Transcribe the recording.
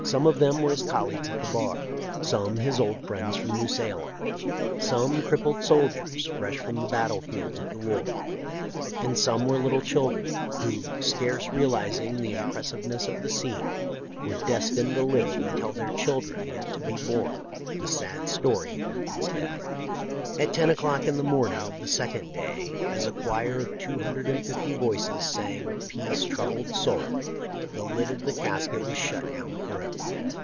Some of them were his colleagues at the bar ; some his old friends from New Salem ; some crippled soldiers fresh from the battle fields of the war; and some were little children who, scarce realizing the impressiveness of the scene, were destined to live and tell their children yet to be born the sad story of Lincoln's death. At ten o'clock in the morning of the second day, as a choir of two hundred and fifty voices sang " Peace, Troubled Soul," the lid of the casket was shut down forever.